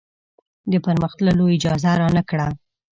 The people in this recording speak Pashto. د پر مخ تللو اجازه رانه کړه.